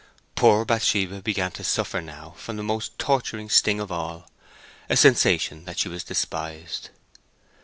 Poor Bathsheba began to suffer now from the most torturing sting of all—a sensation that she was despised.